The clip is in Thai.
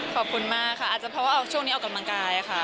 ขอบคุณมากค่ะอาจจะเพราะว่าช่วงนี้ออกกำลังกายค่ะ